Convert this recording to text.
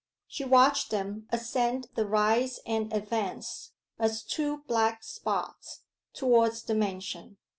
She watched them ascend the rise and advance, as two black spots, towards the mansion.